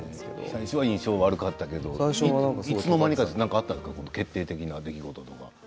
最初は印象悪かったけどいつの間にか。何があったんですか決定的な出来事は。